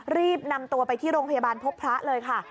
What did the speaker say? รีบนำตัวไปที่โรงพยาบาลพบพระเลยค่ะ